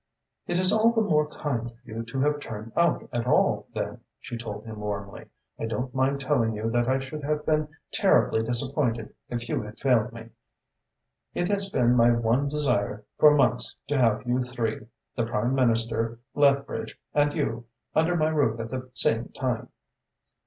"It is all the more kind of you to have turned out at all, then," she told him warmly. "I don't mind telling you that I should have been terribly disappointed if you had failed me. It has been my one desire for months to have you three the Prime Minister, Lethbridge and you under my roof at the same time."